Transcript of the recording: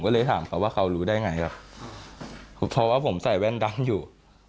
ก็เลยถามเขาว่าเขารู้ได้ไงครับเพราะว่าผมใส่แว่นดำอยู่